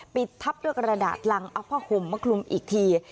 ปิดทับด้วยกระดาษรังเอาผ้าห่มมาคลุมอีกที